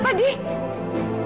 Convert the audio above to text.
ma mama okelah kamu